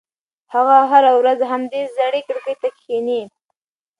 هغه هره ورځ همدې زړې کړکۍ ته کښېني.